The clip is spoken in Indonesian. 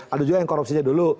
ada juga yang korupsinya dulu